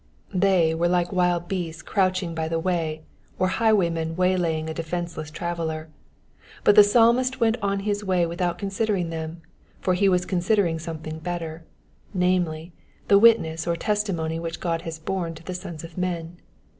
'*'^ They were like wild beasts crouching by the way, or highway men waylayinsr a defenceless traveller ; but the Psalmist went on his way without considering them, for he was considering something better, namely, the witness or testimony which God has borne to the sons of men.